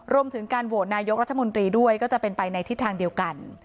รวมถึงการโหวตนายกรัฐมนตรีด้วยก็จะเป็นไปในทิศทางเดียวกัน